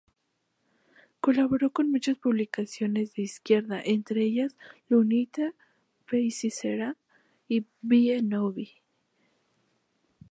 Colaboró con muchas publicaciones de izquierda, entre ellas "L’Unitá", "Paese Sera" y "Vie nuove".